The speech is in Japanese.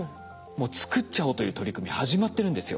もう作っちゃおうという取り組み始まってるんですよ。